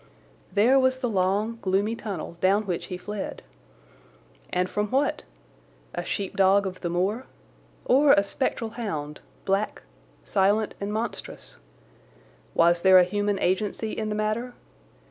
There was the long, gloomy tunnel down which he fled. And from what? A sheep dog of the moor? Or a spectral hound, black, silent, and monstrous? Was there a human agency in the matter?